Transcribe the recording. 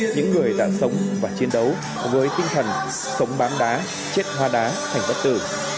những người đã sống và chiến đấu với tinh thần sống bám đá chết hoa đá thành bất tử